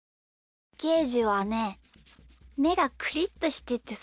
ゲージはねめがクリッとしててさ。